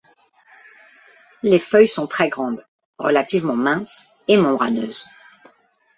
Les feuilles sont très grandes, relativement minces et membraneuses.